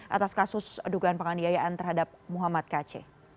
atas kasus dugaan penganiayaan terhadap muhammad kc